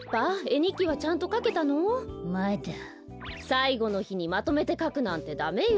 さいごのひにまとめてかくなんてダメよ。